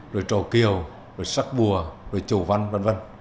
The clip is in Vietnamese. rồi trầu kiều rồi sắc bùa rồi trầu văn v v